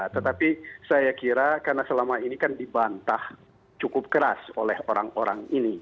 tetapi saya kira karena selama ini kan dibantah cukup keras oleh orang orang ini